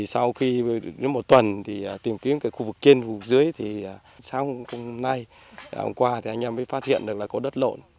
sau khi một tuần tìm kiếm khu vực trên khu vực dưới sau hôm nay hôm qua anh em mới phát hiện được là có đất lộn